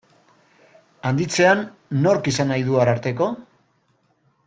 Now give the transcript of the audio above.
Handitzean, nork izan nahi du Ararteko?